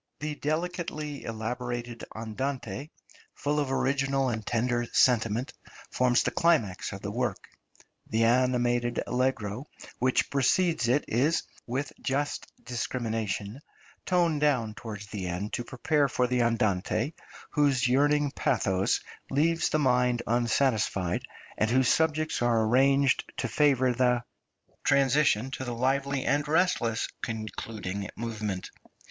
The delicately elaborated Andante, full of original {INSTRUMENTAL MUSIC.} (292) and tender sentiment, forms the climax of the work. The animated Allegro which precedes it is, with just discrimination, toned down towards the end to prepare for the Andante, whose yearning pathos leaves the mind unsatisfied, and whose subjects are arranged to favour the transition to the lively and restless concluding movement.